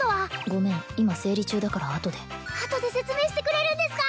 ごめん今整理中だからあとであとで説明してくれるんですか？